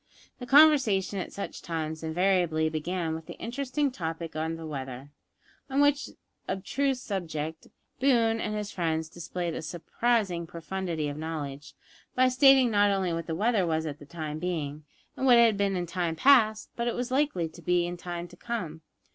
The conversation at such times invariably began with the interesting topic of the weather, on which abstruse subject Boone and his friends displayed a surprising profundity of knowledge, by stating not only what the weather was at the time being, and what it had been in time past, but what it was likely to be in time to come.